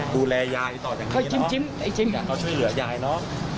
ดูแลยายต่อจากนี้เนาะ